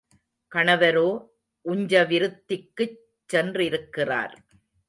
கணவரோ உஞ்சவிருத்திக்குச் சென்றிருக்கிறார்.